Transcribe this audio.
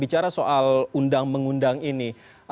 bicara soal undang mengundang ini